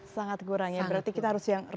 sangat kurang ya berarti kita harus yang